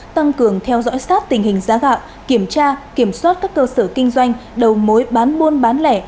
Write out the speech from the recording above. tăng cường theo dõi sát tình hình giá gạo kiểm tra kiểm soát các cơ sở kinh doanh đầu mối bán buôn bán lẻ